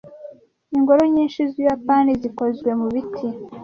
Ingoro nyinshi z'Ubuyapani zikozwe mu biti.